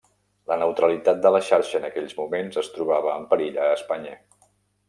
La neutralitat de la xarxa en aquells moments es trobava en perill a Espanya.